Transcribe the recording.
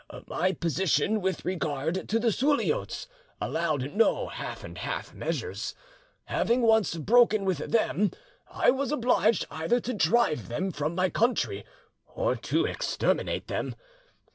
"My position with regard to the Suliotes allowed no half and half measures. Having once broken with them, I was obliged either to drive them from my country or to exterminate them.